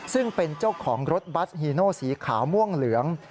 ซึ่งเป็นเจ้าของรถบัสฮีโนสีขาวม่วงเหลือง